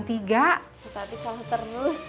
tapi salah ternus